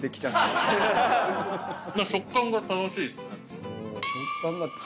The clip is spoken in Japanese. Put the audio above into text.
「食感が楽しい」